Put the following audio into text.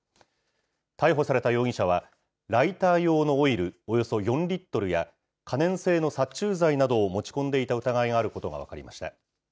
逮捕された容疑者はライター用のオイルおよそ４リットルや、可燃性の殺虫剤などを持ち込んでいた疑いがあることが分かりました。